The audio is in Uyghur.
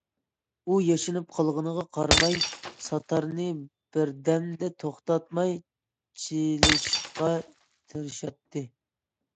ئۇ ياشىنىپ قالغىنىغا قارىماي ساتارنى بىردەممۇ توختاتماي چېلىشقا تىرىشاتتى.